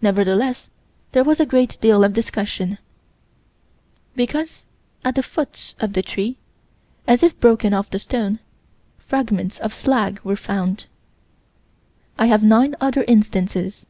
Nevertheless, there was a great deal of discussion Because, at the foot of the tree, as if broken off the stone, fragments of slag were found. I have nine other instances.